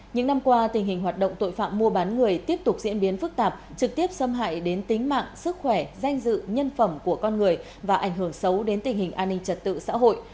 những năm qua tình hình hoạt động tội phạm mua bán người tiếp tục diễn biến phức tạp trực tiếp xâm hại đến tính mạng sức khỏe danh dự nhân phẩm của con người và ảnh hưởng xấu đến tình hình an ninh trật tự xã hội